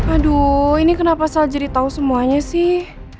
aduh ini kenapa saljri tau semuanya sih